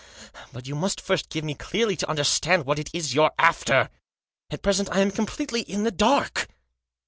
But you must first give me clearly to understand what it is you're after. At present I am completely in the dark."